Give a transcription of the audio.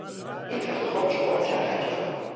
این تختخواب چهار چرخک دارد.